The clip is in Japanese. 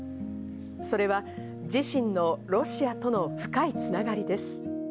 それは自身のロシアとの深い繋がりです。